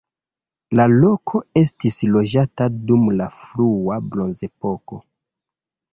La loko estis loĝata dum la frua bronzepoko.